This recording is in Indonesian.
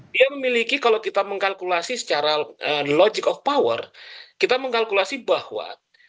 dia memiliki kalau kita mengkalkulasi secara logic of power kita mengkalkulasi bahwa